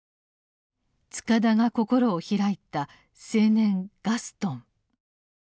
塚田が心を開いた青年ガストン。